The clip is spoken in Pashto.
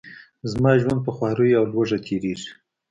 زما ژوند په خواریو او لوږه تیریږي.